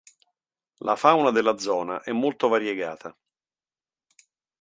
La fauna della zona è molto variegata.